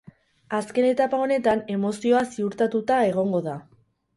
Azken etapa honetan, emozioa ziurtatuta egongo da.